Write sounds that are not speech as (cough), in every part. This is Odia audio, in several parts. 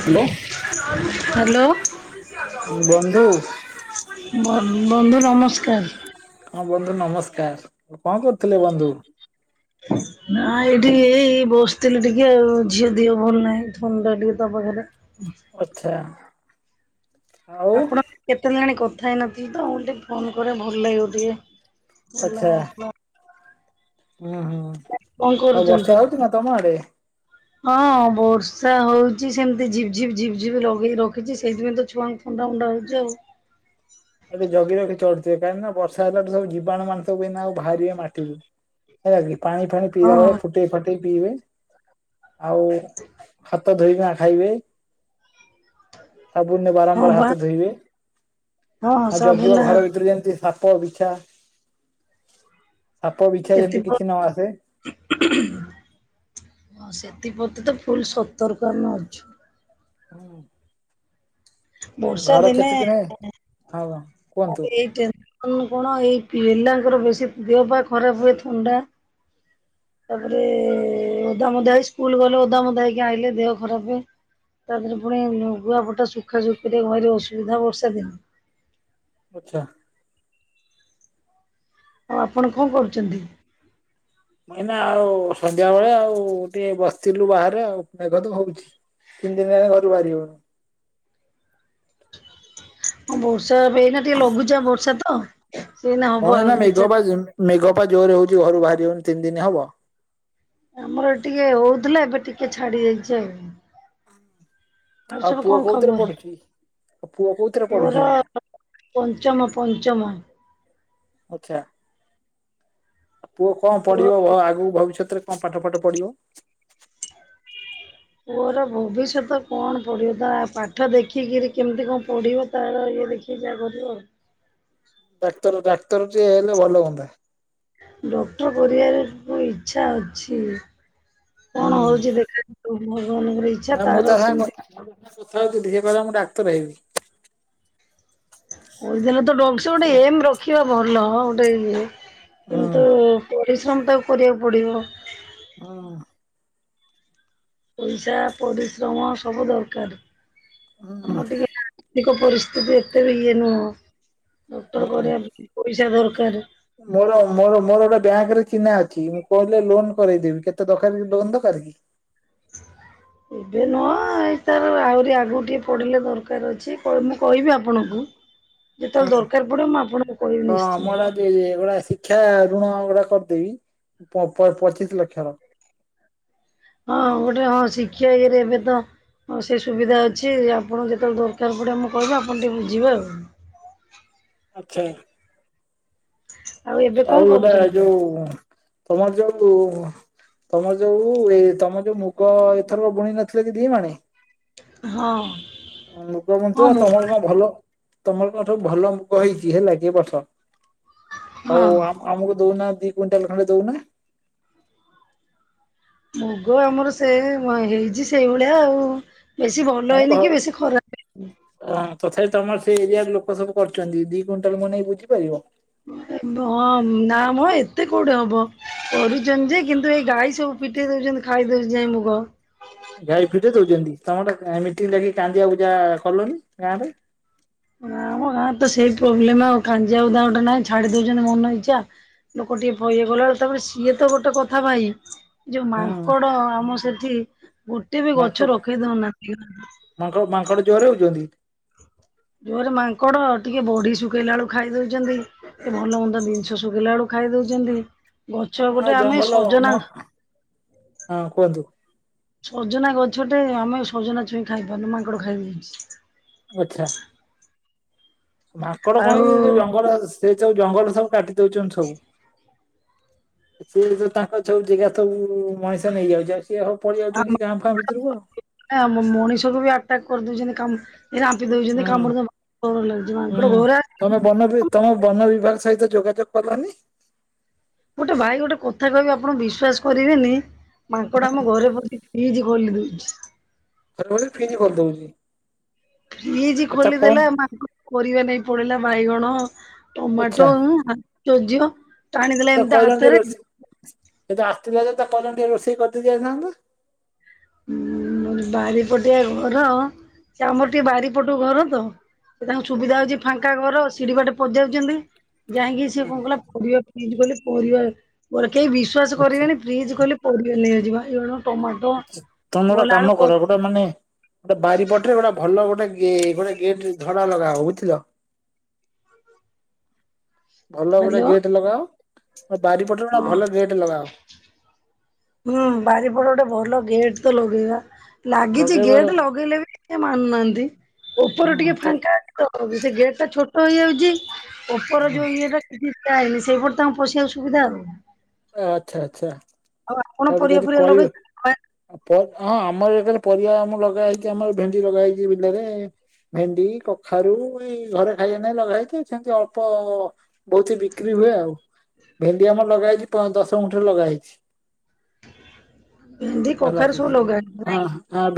Hello hello. ବନ୍ଧୁ ବ ବନ୍ଧୁ ନମସ୍କାର। ହଁ ବନ୍ଧୁ ନମସ୍କାର କଣ କରୁଥିଲେ ବନ୍ଧୁ? ହଁ ନା ଏଠି ଏଇ ବସିଥିଲି ଟିକେ ଆଉ ଝିଅ ଦିଅ ଭଲ ନାହିଁ ଥଣ୍ଡା ଟିକେ ତା ପାଖରେ। ହୁଁ। କଥା। ଆପଣ କେତେ ଦିନ ହେଲାଣି କଥା ହେଇନଥିଲଥିଲେ ତ ଟିକେ ଫୋନ କରେ ଭଲ ଲାଗିବ ଟିକେ। (unintelligible) ଉୁଁ ହୁଁ କଣ ଆଉ କରୁଛନ୍ତି? ବର୍ଷା ହଉଛି ନା ତମ ଆଡେ। ହଁ ବର୍ଷା ହଉଛିି ସେମି ଝିପ ଝିପ୍ ଝିପଝି ଲଗେଇ ରଖିଛି ସେଇଥିପଁ ତ ଛୁଆ ମୁଣ୍ଡା ମୁୁଣ୍ଡା ହେ ଯୋଉ ଏବେ ଜଗି ରଖି ଚଳୁିଥିବେ କାହିକି ନା ବର୍ଷା ହେଲାଟୁ ସବୁ ଜୀବାଣୁ ମାନେ ଆ ବାହାରିବେ ମାଟିରୁ। ହେଲା ପାଣି ଫାଣି ପିଇଲା ବଳେ ହଁ ଫୁଟେଇ ଫାଟେଇ ପିଇବେ। ଆଉ ହାତ ଧୋଇକିନା ଖାଇବେ। ସାବୁନରେ ହଁ ବାରମ୍ବାର ବା ହାତ ଧୋଇବେ। ହଁ ଆଉ ସବୁ ଜଗିବ ନା ଘର ଭିତରେ ଯେମିତି ସାପ ବିଛା ସାପ ବିଛା ଯେମତି କିଛି ନ ଆସେ। ହ ସେଥିପତି ତ ଫୁଲ ସତରକ ନ ଅଛୁ। ହଁ ବର୍ଷା ଘର କେତେ ଦିନ ହଁ କ ଆ ଏଇ ଟେନସନ କଣ ଏଇ ପିଲାଙ୍କର ବେଶୀ ଦେହ ପାା ଖରାପ ହୁଏ ଥଣ୍ଡା। ତାପରେ ଓଦାମ ଦା ସ୍କୁଲ ଗଲେ ଓଦାମଧା ହେଇକି ଆଇଲେ ଦେହ ଖରାପ ହୁଏ। ତାପହରେ ପୁଣି ଲ ଗୁଆପଟା ଶୁଖା ଶୁଖୁ ଘରେ ଅସୁବିଧା ବର୍ଷା ଦିନ। ଆଛା। ଆଉ ଆପଣ କଣ କରୁଛନ୍ତି? ନାଇନା ଆଉ ସନ୍ଧ୍ୟାବେେଳେ ଆଉ ଟିକେ ବସିଥିଲୁ ବାହାରେ ଆଉଖ ତ ହଉଛି। ତିନି ଦିନ ହେଲା ଘରୁ ବାହାରି ହଉନି। ହଁ ବର୍ଷା ଏନା ଟିକେ ଲଗୁଚାପ ବର୍ଷା ତ ସେଇନା ହବ ହଁ ଏ ନା ଆହୁରି ଦି ଚାରି ମେଘପା ମେଘପା ଜୋରରେ ହଉଛି ଘରୁ ବାହାରି ହନି ତିନି ଦିନ ହବ। ଆମର ଟିକେ ହଉଥିଲା ଏବେ ଟିକେ ଛାଡି ଦେଇାଇଛି ଆଉ। ଆଉ ସବୁ ପୁଅ କଣ କୋଉଥିରେ ଖବର ପଢୁଛି? ପୁଅ କୋଉଥିରେ ପଢୁଛି ପର। ଏଇନା? ପଞ୍ଚମ ପଞ୍ଚମ। ଆଛା ଆ ପୁଅ କଣ ପଡିବ ପୁଅ ଆଗକୁ ଭବିଷ୍ୟତରେ କ ପାଠ ପାଠ ପଢ଼ିବ। ପୁଅର ଭବିଷ୍ୟତ କଣ ପଢିବ ତ ପାଠ ଦେଖିକିରି କେମିତି କଣ ପଢ଼ିବ? ତାର ଇଏ ଦେଖିକି ଯାହା କରିବୁ ଆଉ। ଡାକ୍ତର ଡାକ୍ତର ଟିଏ ହେଲେ ଭଲ ହୁଅନ୍ତା। ଡକ୍ଟର କରିବାର ଇଚ୍ଛା ଅଛି। କଣ ହୁଁ ହଉଛି ଦେଖା ଭଗବାନଙ୍କର ଇଚ୍ଛା ତାର କେମିତି। କଥାଉିିଲ ମୁଁ ଡାତର ହେବି। ଲେ ତ ଡଙ୍କସ ଗୋଟେ ଏମ ରଖିବା ଭଲ ଗୋଟେ ଇଏ ହୁଁ କିନ୍ତୁ ପରିଶ୍ରମ ତ କରିବାକୁ ପଡ଼ିବ। ହଁ ପଇସା ପରିଶ୍ରମ ସବୁ ଦରକାର ହୁଁ ଆମର ଟିକେ। ଆର୍ଥିକ ପରିସ୍ଥିତି ଏତେ ଇଏ ନୁହଁ ଡକ୍ଟର ହୁଁ। କ ପଇସା ଦରକାର। ମୋର ମୋର ମୋର ଗୋଟେ ବ୍ୟାଙ୍କ ରେ ଚିହ୍ନା ଅଛି ମୁଁ କହିଲେ ଲୋନ କରାଇଦେବି କେତେ ଦରକାର ଲୋନ ଦରକାର କି। ଏବେ ନୁହ ଏଇ ତାର ଆହୁରି ଆଗକୁ ଟିକଏ ପଡ଼ିଲେ ଦରକାର ଅଛି ମୁଁ କହିବି ଆପଣଙ୍କୁ। ଯେତେବେଳେ ଦରକାର ପଡିବ ମୁଁ ଆପଣଙ୍କୁ କହିବି ନିଶ୍ଚିନ୍ତ। (unintelligible) ଶିକକ୍ଷା ଋଣ ଗୁଡା କରିଦେଇବି ପପଚିଶ ଲକ୍ଷର ହଁ ଗୋଟେ ହଁ ଶିକ୍ଷା ଇଏରେ ଏବେ ତ ହଁ ସେ ସୁବିଧା ଅଛି ଆପଣଙ୍କୁ ଯେତେବେଳେ ଦରକାର ପଡ଼ିବ ମୁଁ କହିବି ଆପଣ ଟିକିେ ବୁ ଯିବାେ ଆଉ। ଆଛା। ଏବେ କଣ ଆଉ ଗୋଟେ କରୁଛନ୍ତି? ଯୋଉ ତମର ଯୋଉ ତମର ଯୋଉ ଏ ତମ ଯୋଉ ମୁଗ ଏଥରକ ବୁଣି ନଥିଲେ କି ଦି ମାଣେ ହଁ। ହଁ ମୁଖ୍ୟମନ୍ତ୍ରୀ ଆ ମୁଁ ତମେ କ ଭଲ। ତମର କଣ ସବୁ ଭଲ ମୁଗ ହେଇଚି ହେଲା କି ଏ ବର୍ଷ ହଁ। ହୋଉ ଆମ୍ ଆମକୁ ଦୋଉନା ଦି କୁଇଣ୍ଟାଲ ଖଣ୍ଡେ ଦୋଉନା? ମୁଗ ଆମର ସେ ହେଇଚି ସେଇଭଳିଆ ଆଉ ବେଶୀ ଭଲ ହେଇନି କି ବେଶୀ ଖରାପ ହେଇନି। ଅଁ ତଥାପି ତମର ସେ ଏରିଆରେ ଲୋକ ସବୁ କରୁଚନ୍ତି ଦି କୁଇଣ୍ଟାଲ ମୋ ନାକୀ ବୁଝିପାରିବ? ହଁ ନା ମ ଏତେ କୋଉଠି ହବ କରୁଚନ୍ତି ଯେ କିନ୍ତୁ ତୁ ଏଇ ଗାଈ ସବୁ ଫିଟେଇ ଦୋଉଚନ୍ତି ଖାଇଦୋଉଚି ଯାଇ ମୁଗ। ଗାଈ ଫିଟେଇ ଦୋଉଚନ୍ତି ତମେ ଟେ ମିଟିଂ ଲଖି କାନ୍ଦିଆ କୁଜା କଲନି ଗାଁ ରେ। ଆମ ଗାଁ ତ ସେଇ ପ୍ରୋବ୍ଲେମ ଆଉ କଞ୍ଜିଆଗୁଦା ଗୋଟେ ନାହିଁ ଛାଡି ଦୋଉଚନ୍ତି ମନ ଇଚ୍ଛା। ଲୋକ ଟିକେ ଭଇ ହେଇ ଗଲାଳକୁ ତାପରେ ସିଏ ତ ଗୋଟେ କଥା ଭାଇ। ଯୋଉ ହୁଁ। ମାଙ୍କଡ ଆମ ସେଠି ଗୋଟେ ବି ଗଛ ରଖେଇ ଦୋଉନାହାନ୍ତି (inaudible) ମାଙ୍କ ମାଙ୍କଡ ଜୁହାର ହୋଉଚନ୍ତି? ଜୋରେ ମାଙ୍କଡ ଟିକେ ବଢି ଶୁଖେଇଲାଳକୁ ଖାଇ ଦୋଉଚନ୍ତି। ଏ ଭଲ ମନ୍ଦ ଜିନିଷ ଶୁଖେଇଲା ବେଳୁ ଖାଇ ଦୋଉଚନ୍ତି ଗଛ ହଁ ଗୋଟେ ଆମେ ଜଙ୍ଗଲ ମ ସଜନା ହଁ କୁହନ୍ତୁ। ସଜନା ଗଛଟେ ଆମେ ସଜନା ଛୁଇଁ ଖାଇ ପାରୁନୁ ମାଙ୍କଡ ଖାଇଦୋଉଚନ୍ତି। ଆଛା। ମାଙ୍କଡ ଆଉ କଣ କି ସେ ଯୋଉ ଜଙ୍ଗଲ ସେ ଯୋଉ ସବୁ ଜଙ୍ଗଲ ସବୁ କାଟି ଦୋଉଚନ୍ତି ସବୁ। ସିଏ ତ ତାଙ୍କ ସବୁ ଜାଗା ସବୁ ମଣିଷ ନେଇଯାଉଚି ଆଉ ସିଏ ସବୁ ପଳେଇ ଯାଉଛନ୍ତି ଗାଁ ଫାଁ ଭିତରକୁ ଆଉ। ନା ମ୍-ମ୍-ମଣିଷକୁ ବି ଆଟାକ୍ କରିଦୋଉଚନ୍ତି କାମ୍ ହୁଁ ମାଙ୍କଡ ହୁଁ ଘୋରା ତମେ ବନ ବି ତମେ ବନ ବିଭାଗ ସହିତ ଯୋଗାଯୋଗ କଲନି? ଗୋଟେ ଭାଇ ଗୋଟେ କଥା କହିବେ ଆପଣ ବିଶ୍ୱାସ କରିବେନି ମାଙ୍କଡ ଆମ ହୁଁ ଘରେ ପଶିକି ଫ୍ରିଜ ଖୋଲିଦୋଉଚି। ଥରେ ଫ୍ରିଜ କରିଦୋଉଚି। ଫ୍ରିଜ ଖୋଲିଦେଲା ମାଙ୍କ (unintelligible) ପରିବା ନେଇକି ପଳେଇଲା ବାଇଗଣ। ଆଚ୍ଛା ଟମାଟୋ (unintelligible) ଆଶ୍ଚର୍ଯ୍ୟ ଟାଣିଦେଲେ ଏମିତି ହାତରେ। ସେ ତ ଆସିଥିଲା ଯେ ତାକୁ କହିଲନି ଟିକେ ରୋଷେଇ କରିଦେଇ ଯାଇଥାନ୍ତା। ଉଁ ବାରିପଟିଆ ଘର ସେ ଆମର ଟିକେ ବାରିପଟୁ ଘର ତ ସେ ତାଙ୍କୁ ସୁବିଧା ହୋଉଛି ଫାଙ୍କା ଘର ସିଡି ବାଟେ ପସି ଯାଉଛନ୍ତି ଯାଇକି ସିଏ କଣ କଲା ପରିବା ଫ୍ରିଜ ଖଲେ ପରିବା କେହି ବିଶ୍ଵାସ ଆଚ୍ଛା କରିବେଣି ଫ୍ରିଜ୍ ଖୋଲି ପରିବା ନେଇଯାଉଚି ବାଇଗଣ ଟମାଟୋ ତମେ ଗୋଟେ ଗଲା କାମ ବେଳୁ କ କର ଗୋଟେ ମାନେ ଗୋଟେ ବାରିପଟରେ ଗୋଟେ ଭଲ ଗୋଟେ ଗୋଟେ ଗେ-ଗେଟ ଧଡା ଲଗା ବୁଝିଲ? ଭଲ ଗୋଟେ ହ୍ୟାଲୋ ଗେଟ୍ ଲଗାଅ। ବାରିପଟ ଗୋଟେ ହଁ ଭଲ ଗେଟ୍ ଲଗାଅ। ହୁଁ ବାରିପଟ ଗୋଟେ ଭଲ ଗେଟ୍ ତ ଲଗେଇବା। ଲାଗିଚି ଲଗେଇବ ଗେଟ୍ ଲଗେଇଲେ ବି ମାନୁନାହାନ୍ତି ଉପର ଟିକେ ହୁଁ ତ ଫାଙ୍କା ତ ସେ ଗେଟ ଟା ଛୋଟ ହେଇଯାଉଚି ଉପର ହୁଁ ଯୋଉ ଇଏଟା ଜି ଟାଇମ୍ ସେଇପଟ ତମ ପଶିବାକୁ ସୁବିଧା ଆଉ। ଆଛା ଆଛା ଆଉ ଆପଣ ତା ପରିବା ଯଦି ଫରିବା କଲ୍ ଲଗେଇଛନ୍ତି? ଆ ପଲ୍ ହଁ ଆମର ହେକରେ ପରିବା ଆମ ଲଗା ହେଇଚି ଆମର ଭେଣ୍ଡି ଲଗା ହେଇଚି ବିଲରେ। ଭେଣ୍ଡି କଖାରୁ ଏଇ ଘରେ ଖାଇବା ନାଇ ଲଗା ହେଇଛି ତ ସେମିତି ଅଳ୍ପ ବହୁତ ବିକ୍ରି ହୁଏ ଆଉ ଭେଣ୍ଡି ଆମର ଲଗା ହେଇଛି ଦଶ ଗଣ୍ଠରେ ଲଗା ହେେଇଛି ଭେଣ୍ଡି ହେଲା କଖାରୁ କି ସବୁ ଲଗାନ୍ତି ନାଇଁ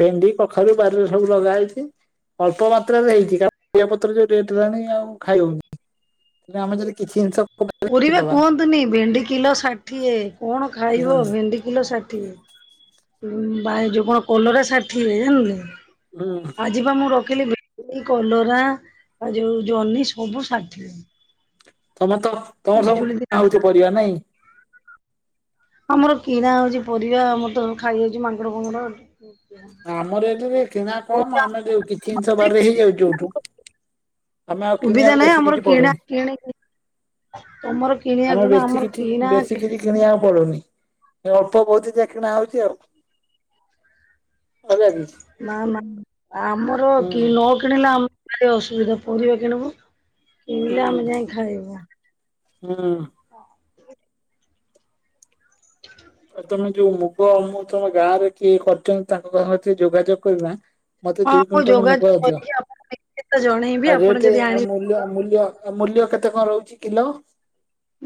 ଭେଣ୍ଡି କଖାରୁ ବାରିରେ ସବୁ ଲଗା ହେଇଛି ଅଳ୍ପ ମାତ୍ରାରେ ହେଇଛି କାରଣିଆ ପତ୍ର ଯୋଉ ରେଟ ହେଲାଣି ଆଉ ଖାଇ ହଉନି ଆମର ଯଦି କିଛି ଜିନିଷ ପରିବା କରିଦବା କୁହନ୍ତୁନି ଭେଣ୍ଡି କିଲୋ ଷାଠିଏ କଣ ଖାଇବ ହୁଁ ଭେଣ୍ଡି କିଲୋ ଷାଠିଏ ଉଁ ଭାଇ ଯୋଉ କଣ କଲର ଷାଠୀ ଏ ହୁଁ ଆଜି ପାଇଁ ମୁଁ ରଖିଲି ଭେଣ୍ଡି କଲରା ଯୋଉ ଜହ୍ନି ସବୁ ଷାଠିଏ ତମେ ତ ତମର ସବୁ ପିଜୁଳି ଗା ଦିନ ହଉଛି ପରିବା ନାଇଁ ଆମର କିଣା ହଉଛି ପରିବା ଆମର ତ ଖାଇଯାଉଛି ମାଙ୍ଗଡ଼ ଫାଙ୍ଗଡ ଆଉ ଆମର ଏଠରେ କିଣା କମ ଆମେ ଯଉ କିଛି ଜିନିଷ ବାରରେ ହେଇଯାଉଛି ଯୋଉଠୁ ଆମେ ଆଉ ସୁବିଧା କିଣିବାକୁ ନାହିଁ ବେଶୀ ଆମର କିଛି କିଣା ପଡୁନି କିଣି ତମର କିଣିବାକୁ ଆମର ନା ବେଶୀ କିଛି କିଣା ବେଶୀ କିଛି କିଣିବାକୁ ପଡୁନି ଏ ଅଳ୍ପ ବହୁତ ଯାହା କିଣା ହଉଛି ଆଉ ହେଲା କି। ନା ନା ଆମର ହୁଁ କି ନ କିଣିଲେ ଆମ ଅସୁବିଧା ପରିବା କିଣିବୁ ହୁଁ କିଣିଲେ ଆମେ ଯାଇ ଖାଇବୁ (unintelligible) (unintelligible) ଆ ତମେ ଯୋଉ ମୁଗ ମୁଁ ତମ ଗାଁ ରେ କିଏ କରିଛନ୍ତି ତାଙ୍କ ସହ ଟିକେ ଯୋଗାଯୋଗ କରିନା ମତେ ହଁ ଦୁଇ ମୁଁ କୁଇଣ୍ଟାଲ ମୁଗଇ ଯୋଗାଯୋଗ ଦିଅ କରିକି ଆପଣଙ୍କୁ ଜଣେଇବି ଆ ଆପଣ ଯଦି ରେଟରେ ଆଣିବେ ମୂଲ୍ୟ ମୂଲ୍ୟ ଆଉ ମୂଲ୍ୟ କେତେ କଣ ରହୁଛି କିଲୋ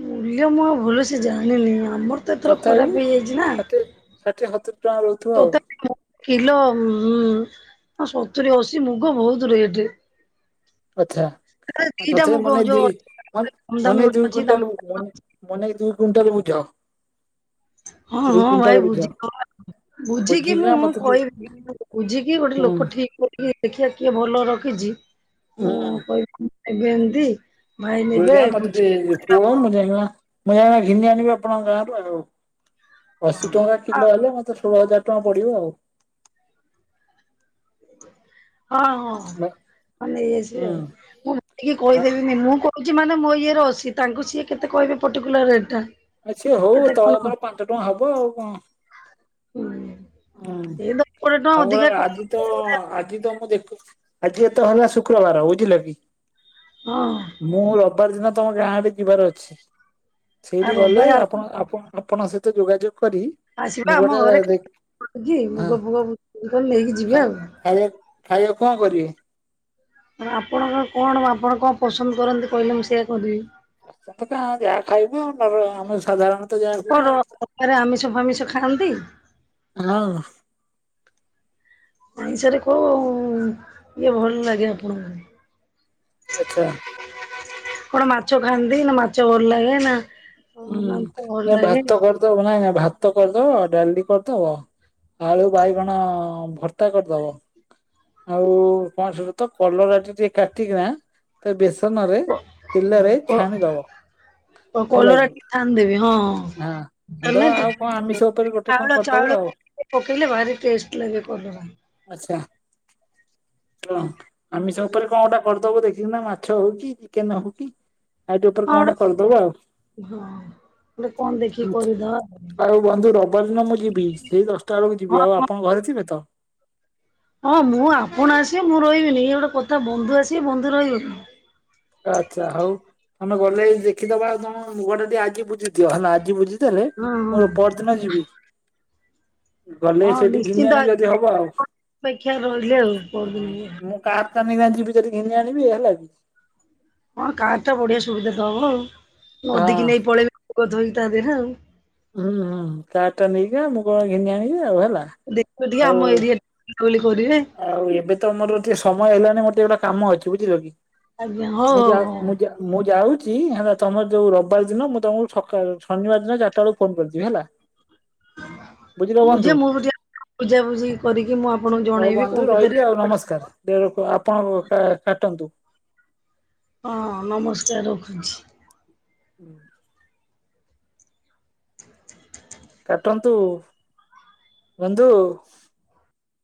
ମୂଲ୍ୟ ମୁଁ ଆଉ ମୁଁ ଭଲ ସେ ଜାଣିନି ଆମର ସେଥର ତଥାପି? ଖରାପ ହେଇଯାଇଛି ନା ଷାଠିଏ ଷାଠିଏ ସତୁରି ଟଙ୍କା ରହୁଥିବ ଆଉ ତତେ କିଲୋ ହଁ ସତୁରିୀ ଅଶୀ ମୁଗ ବହୁତ ରେଟ ଆଛା ଆଉ ଦିଟା ତଥ ମୁଗ ମାନେ ଦ ଯୋଉ କମ୍ ଦାମୀ ମାନେ ଗୋଟେ ଦୁଇ ଅଛି ଦାମୀ କୁଇଣ୍ଟାଲେ ମନେକ ଦୁଇ କୁଇଣ୍ଟାଲ ବୁଝ ହଁ ଦୁଇ ହଁ କୁଇଣ୍ଟାଲ ଭାଇ ବୁଝ (unintelligible) ବୁଝିକି ବୁଝିକିନା ମୁଁ ମତେ ଟି କହିବି ବୁଝିକି ଗୋଟେ ହୁଁ ଲୋକ ଠିକ କରୁ ଟ ଦେଖିବା କିଏ ଭଲ ରଖିଛି ମୁଁ ହୁଁ। କହିବି ଏବେ ଏମତି ଭାଇ ନେବେ ଯୋଉଗାଁ ମତେ ବୁଝ ଟିକେ କୁହ ମୁଁ ଯାଇ ଜମା ମୁ ଯାଇ ଘିନି ଆଣିବି ଆପଣଙ୍କ ଗାଁ ରୁ ଆଉ ଅଶି ଟ କିଲୋ ହେଲେ ମୋତେ ଷୋହଳ ହଜାର ଟଙ୍କା ପଡିବ ଆଉ ହଁ ହଁଁ ନେଇ ଆସିବି ହୁଁ ଆଉ ମୁଁ ଟେ ଆ କହିଦେବିନି ମୁଁ କ ହୁଛି ମାନେ ମୋ ଇଏରେ ଅସି ତାଙ୍କୁ ସିଏ କେତେ କହିବେ ପର୍ଟିକୁଲାର ରେଟ ଟା ଆ ସେ ହଉ କେତେ ତଳ କଣ ଉପର ପାଞ୍ଚ ଟଙ୍କା ହବ ଆଉ କଣ ହୁଁ ହୁଁ ସେ ଦଶ କୋଡ଼ିଏ ଆଉ ଟଙ୍କା ଅଧିକା କ ଆଜି ତ ଆଜି ତ ମୁଁ ଦେଖ ଆଜି ଏତ ହେଲା ଶୁକ୍ରବାର ବୁଝିଲେ ହଁ ମୁଁ ରବିବାର ଦିନ ତମ ଗାଁ ଆଡ଼େ ଯିବାର ଅଛି ଆଉ ସେଇଠି ଗଲେ ରବିବାର ଆପଣ ଆପଣ ଆପଣଙ୍କ ସହିତ ଯୋଗାଯୋଗ କରି ଆସିବେ ମୁଁ ଆମ ଗୋଟେ ଘରେ ଦେ ଗି ମୁଗ ଫୁଗ ନେଇକି ଯିବେ ଆଉ ଖାଇୟାକୁ ଖାଇୟାକୁ କ, ଣ କରିବେ? ମାନେ ଆପଣଙ୍କ କଣ ଆପଣ କଣ ପସନ୍ଦ କରନ୍ତି କହିଲେ ମୁଁ ସେଇଆ କରିଦେବି ସମ୍ପୁଥା ଯାଆ ଖାଇବୁ ତାପରେ ଆମ ସାଧାରଣ ତମର ରବିବାରେ ଆମିଷ ଫାମିଷ ଖାଆନ୍ତି? ହ୍ୟାଲୋ। ଓଡ଼ିଶାରେ କୋହୁ ଇଏ ଭଲ ଲାଗେ ଆପଣଙ୍କୁ? ଆଚ୍ଛା। କଣ ମାଛ ଖାଆନ୍ତି? ନାଁ ମାଛ ଭଲ ଲାଗେ ନାଁ ହୁଁ ନାଇଁ ଭାତ କରିଦବ ନାଇଁ ନାଇଁ ଭାତ କରିଦବ ଡାଲି କରିଦବ। ଆଳୁ ବାଇଗଣ ଭର୍ତ୍ତା କରିଦବ। ଆଉ କଣ ସବୁତ କଲରା ଟିକେ କାଟିକି ନା ତାକୁ ବେସ ନରେ ତେଲରେ ଛାଣିଦବ। ତ ହେଲା କଲରା କି ଟି ଛାଣିଦେବି ହଁ ହଁ। ଆମେ ଦବ ବି ଆଉ କଣ ଆମିଷ ଉପରେ ଗୋଟେ କଣ ଚାଉଳ କରିଦବ ଚାଉଳ ଆଉ ପକେ ପକେଇଲେ ଭାରି ଟେଷ୍ଟ ଲାଗେ କଲରା। (unintelligible) ଆଚ୍ଛା (inaudible) କଣ ଆମିଷ ଉପରେ କଣ ଗୋଟା କରିଦବ ଦେଖି କିନା ମାଛ ହଉ କି ଚିକେନ୍ ହଉ କି ଆଉ ଟିକେ ଉପରେ କଣ ହଁ ଗୋଟା ଗୋଟେ କରିଦବ ଆଉ। ସବୁ ହଁ ଟେ କଣ ଦେଖିକି କରିଦବା। ଆଉ ବନ୍ଧୁ ରବିବାର ଦିନ ମୁଁ ଯିବି, ସେଇ ଦଶଟା ବେଳକୁ ହଁ ଯିବି ଆଉ ହଁ ଆପଣ ଘରେ ଥିବେ ତ? ହଁ ମୁଁ ଆପଣ ଆସିବେ, ମୁଁ ରହିବିନି ଇଏ ଗୋଟେ କଥା ବନ୍ଧୁ ଆସିବେ ବନ୍ଧୁ ରହିବନି। ଆଚ୍ଛା ହଉ ତମେ ଗଲେଇ ଦେଖିଦବା ଆଉ କଣ ମୁଁ ଗଟେ ଟିଏ ଆଜି ବୁଝି ଦିଅ ହେଲା ଆଜି ବୁଝି ଦେଲେ ହଁ ହଁ ମୁଁ ପଅଦିନ ଯିବି। ହୁଁ ଗଲେ ହଁ ସେଠି ନିଶ୍ଚିନ୍ତ ଘିନିଆଣିବି ଯଦି ହବ ଆଉ, ଅପେକ୍ଷା ରହିଲେ ଆଉ ପରଦିନ ଆଉ ମୁଁ କାର ତାନି ଗାଁ ଜିବି ଯଦି ଘିନି ଆଣିବି ହେଲା କି? ହଁ କାର ଟା ବଢ଼ିଆ ସୁବିଧା ତ ହବ ଆଉ ହଁ। ନଧୀକି ନେଇ ପଳେଇବେ ଗଧ ହେଇକି ତା ଦେହରେ ଆଉ। ହୁଁ କାର ଟା ନେଇଜା ମୁଁ କଣ ଘିନି ଆଣିବି ଆଉ ହେଲା। ଦେଖ ଟିକେ ଆଉ ଆମ ଏରିଆରେ କହିଲେ କରିବେ। ଆଉ ଏବେ ତ ମୋର ଟିଏ ସମୟ ହେଲାନି ମୋର ଟିକେ ଗୋଟା କାମ ଅଛି ବୁଝିଲ କି? ଆଜ୍ଞା ହଉ ମୁଁ ହଉ ଯା ହଉ। ମୁଁ ଯା ମୁଁ ଯାଉଚି ହେଲା ତମର ଯୋଉ ରବିବାର ଦିନ ମୁଁ ତମକୁ ଛକାଳୁ ଛନିବାର ଦିନ ଚାରିଟା ବେଳକୁ ଫୋନ୍ କରିଦେବି ହେଲା। ବୁଝିଲ ବନ୍ଧୁ। ବୁଝେ ମୁଁ ବୁଝେ ପୂଜା ପୂଜି କରିକି ମୁଁ ଆପଣଙ୍କ ହଉ ବନ୍ଧୁ ରହିଲି ଆଉ ନମସ୍କାର, ଦେଳକୁ ଆପଣ କା କାଟନ୍ତୁ। ହଁ ନମସ୍କାର ରଖୁଛି। ହୁଁ। କାଟନ୍ତୁ ବନ୍ଧୁ।